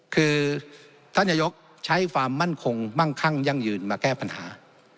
คือท่านนายกใช้ความมั่นคงมั่งคั่งยั่งยืนมาแก้ปัญหา